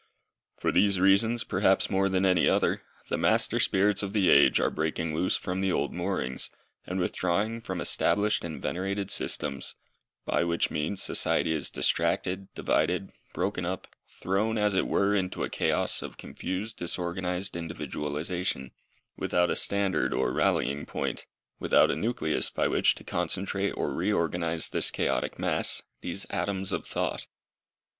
For these reasons, perhaps more than any other, the master spirits of the age are breaking loose from the old moorings, and withdrawing from established and venerated systems, by which means society is distracted, divided, broken up, thrown, as it were, into a chaos of confused, disorganized individualization, without a standard or rallying point, without a nucleus by which to concentrate or re organise this chaotic mass, these atoms of thought.